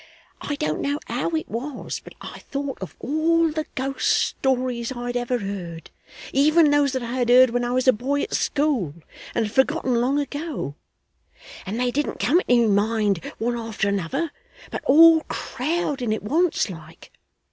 I don't know how it was, but I thought of all the ghost stories I had ever heard, even those that I had heard when I was a boy at school, and had forgotten long ago; and they didn't come into my mind one after another, but all crowding at once, like.